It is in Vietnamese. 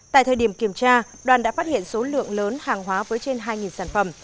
tại thời điểm kiểm tra đoàn đã phát hiện số lượng lớn hàng hóa với trên hai sản phẩm